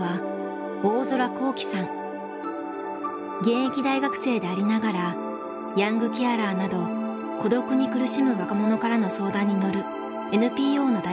現役大学生でありながらヤングケアラーなど孤独に苦しむ若者からの相談に乗るＮＰＯの代表です。